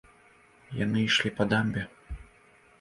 Яны ішлі па дамбе.